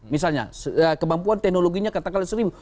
misalnya kemampuan teknologinya katakanlah seribu